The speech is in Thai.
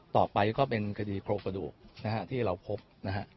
ต่อไปก็เป็นคดีโครงกระดูกนะฮะที่เราพบนะฮะ